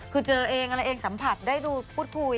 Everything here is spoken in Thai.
คือเจอเองอะไรเองสัมผัสได้ดูพูดคุย